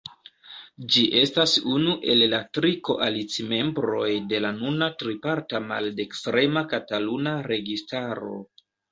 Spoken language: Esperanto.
Ĝi estas unu el la tri koalicimembroj de la nuna triparta maldekstrema kataluna registaro.